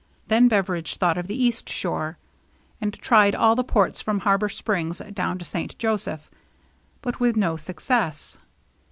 Then Beveridge thought of the east shore, and tried all the ports from Harbor Springs down to St. Joseph, but with no success.